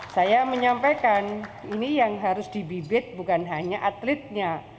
saya menyampaikan ini yang harus dibibit bukan hanya atletnya